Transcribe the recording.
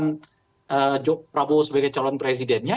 dengan prabowo sebagai calon presidennya